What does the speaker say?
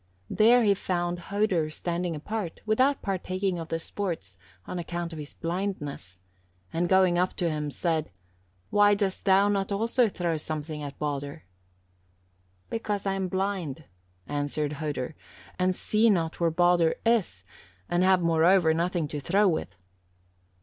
There he found Hodur standing apart, without partaking of the sports, on account of his blindness, and going up to him, said, 'Why dost thou not also throw something at Baldur?" "'Because I am blind,' answered Hodur, 'and see not where Baldur is, and have, moreover, nothing to throw with.'